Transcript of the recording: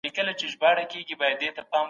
تر هغي چي ماښام سو ما کار کړی و.